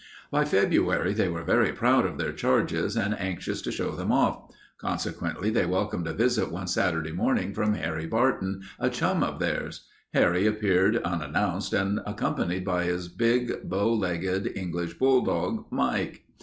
By February they were very proud of their charges and anxious to show them off. Consequently they welcomed a visit one Saturday morning from Harry Barton, a chum of theirs. Harry appeared unannounced and accompanied by his big, bow legged English bulldog, Mike.